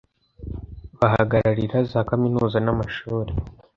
bahagararira za kaminuza n amashuri